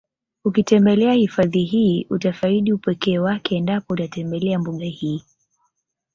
Ukitembelea hifadhi hii utaifadi upekee wake endapo utatembelea mbuga hii